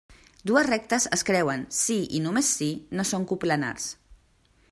Dues rectes es creuen si i només si no són coplanars.